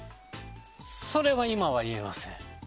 それは今は言えません。